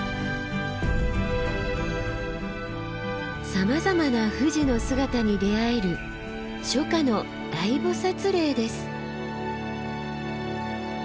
さまざまな富士の姿に出会える初夏の大菩嶺です。